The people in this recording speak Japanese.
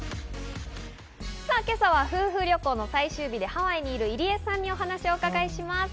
今朝は夫婦旅行の最終日でハワイにいる入江さんにお話を伺います。